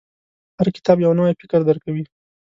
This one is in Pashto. • هر کتاب، یو نوی فکر درکوي.